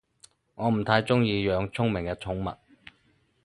我唔太鍾意養聰明嘅寵物